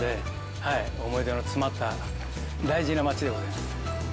思い出の詰まった大事な街でございます。